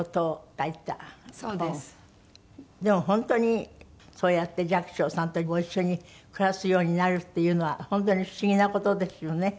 でも本当にそうやって寂聴さんとご一緒に暮らすようになるっていうのは本当に不思議な事ですよね。